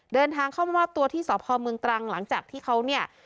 เดินทางเข้ามามอบตัวที่สพเมืองตรังหลังจากที่เขาเนี่ย